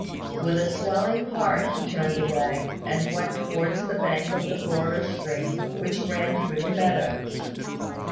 With a swelling heart he turned away, and went towards the bank of the broader stream which ran through the meadows.